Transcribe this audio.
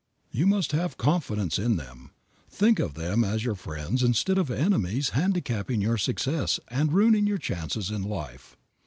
You must have confidence in them, think of them as your friends instead of enemies handicapping your success and ruining your chances in life.